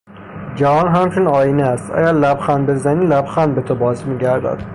جهان همچون آینه است; اگر لبخند بزنی لبخند به تو باز میگردد.